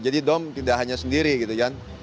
jadi dom tidak hanya sendiri gitu kan